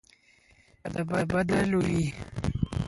که د بدلو وي.